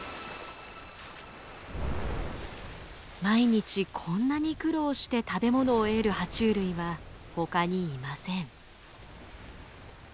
毎日こんなに苦労して食べ物を得る爬虫類はほかにいません。